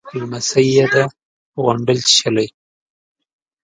_لمسۍ يې ده، غونډل چيچلې.